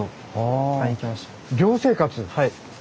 はい。